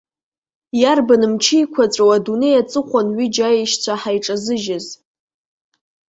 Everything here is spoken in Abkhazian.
Иарбан мчы еиқәаҵәоу адунеи аҵыхәан ҩыџьа аишьцәа ҳаиҿазыжьыз?